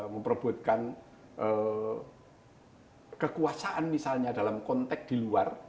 memperbutkan kekuasaan misalnya dalam konteks di luar